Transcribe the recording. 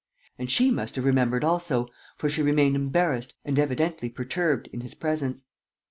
And she must have remembered also, for she remained embarrassed and evidently perturbed in his presence.